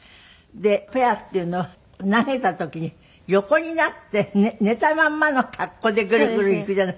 でペアっていうのは投げた時に横になって寝たまんまの格好でグルグルいくじゃない。